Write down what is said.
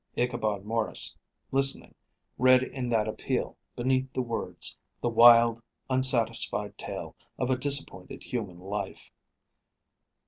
Ichabod Maurice, listening, read in that appeal, beneath the words, the wild, unsatisfied tale of a disappointed human life.